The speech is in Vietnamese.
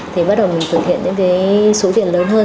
thì bắt đầu mình thực hiện những cái số tiền lớn hơn